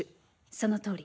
そのとおり。